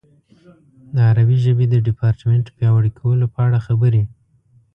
د عربي ژبې د ډیپارټمنټ پیاوړي کولو په اړه خبرې.